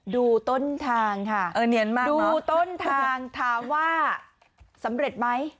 ดูต้นทางค่ะดูต้นทางถามว่าสำเร็จไหม